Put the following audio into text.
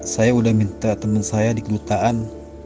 saya udah minta teman saya di kedutaan